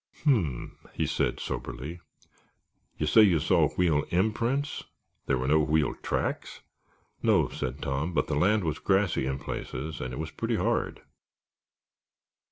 "Hmmm," said he, soberly; "you say you saw wheel imprints? Were there no wheel tracks?" "No," said Tom, "but the land was grassy in places and it was pretty hard."